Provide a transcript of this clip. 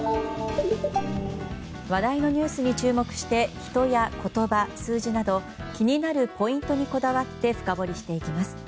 話題のニュースに注目して人や言葉、数字など気になるポイントにこだわって深掘りしていきます。